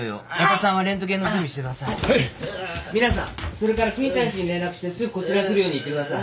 それから邦ちゃんちに連絡してすぐこちらに来るように言ってください。